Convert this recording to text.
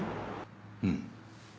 うん。